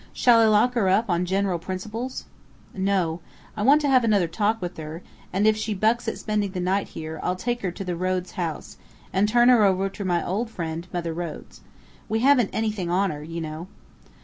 Shall I lock her up on general principles?" "No. I want to have another talk with her, and if she bucks at spending the night here, I'll take her to the Rhodes House, and turn her over to my old friend, Mother Rhodes. We haven't anything on her, you know."